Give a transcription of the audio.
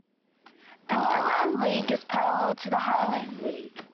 The Lowland League is parallel to the Highland League.